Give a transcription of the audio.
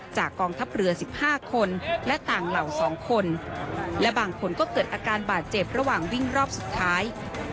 กองทัพเรือ๑๕คนและต่างเหล่า๒คนและบางคนก็เกิดอาการบาดเจ็บระหว่างวิ่งรอบสุดท้าย